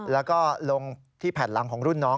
แล้วก็ลงที่แผ่นหลังของรุ่นน้อง